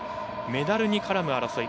メダルに絡む争い